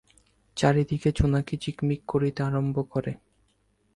চারিদিকে জোনাকি ঝিকমিক করিতে আরম্ভ করে।